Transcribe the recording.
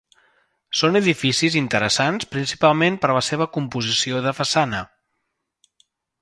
Són edificis interessants principalment per la seva composició de façana.